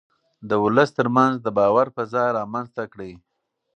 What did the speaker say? د ولس ترمنځ د باور فضا رامنځته کړئ.